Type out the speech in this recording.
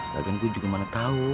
lagian gue juga mana tau